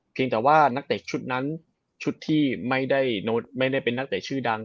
เพียงแต่ว่านักเตะชุดนั้นชุดที่ไม่ได้เป็นนักเตะชื่อดัง